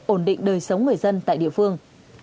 ổn định đời sống người dân tại địa phương